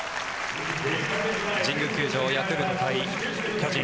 神宮球場ヤクルト対巨人。